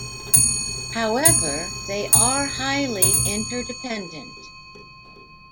However, they are highly interdependent.